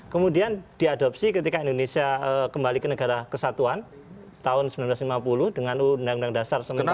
kemudian diadopsi ketika indonesia kembali ke negara kesatuan tahun seribu sembilan ratus lima puluh dengan undang undang dasar seribu sembilan ratus empat puluh lima